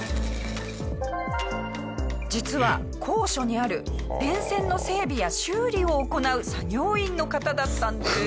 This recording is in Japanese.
実は高所にある電線の整備や修理を行う作業員の方だったんです。